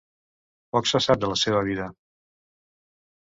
Poc se sap de la seva vida.